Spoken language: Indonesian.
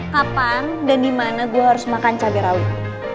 kapan dan dimana gue harus makan cabai rawit